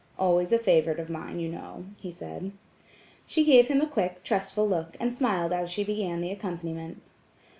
"Always a favorite of mine, you know," he said. She gave him a quick, trustful look, and smiled as she began the accompaniment.